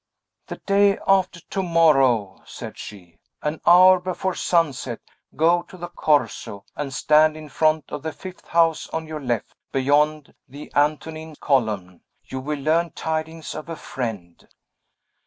"The day after to morrow," said she, "an hour before sunset, go to the Corso, and stand in front of the fifth house on your left, beyond the Antonine column. You will learn tidings of a friend."